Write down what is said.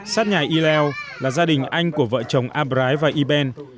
sát nhà y lèo là gia đình anh của vợ chồng a brái và y ben